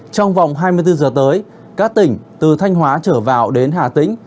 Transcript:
trong vòng hai mươi bốn giờ tới các tỉnh từ thanh hóa trở vào đến hà tĩnh